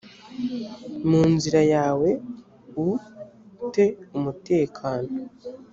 mu nzira yawe u te umutekano